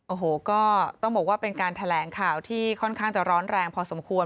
โอ้โหก็ต้องบอกว่าเป็นการแถลงข่าวที่ค่อนข้างจะร้อนแรงพอสมควร